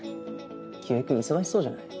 清居君忙しそうじゃない。